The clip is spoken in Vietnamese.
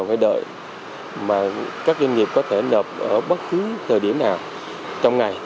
chờ phải đợi mà các doanh nghiệp có thể nộp ở bất cứ thời điểm nào trong ngày